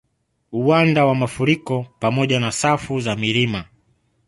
Uwanda wa mafuriko pamoja na safu za milima